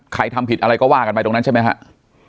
ทำผิดอะไรก็ว่ากันไปตรงนั้นใช่ไหมครับ